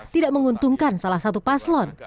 tidak menguntungkan salah satu paslon